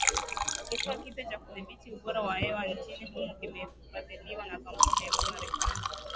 Kifaa kipya cha kudhibiti ubora wa hewa nchini humo kimefadhiliwa na kampuni ya kimarekani